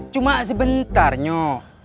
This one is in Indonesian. cuma sebentar nyok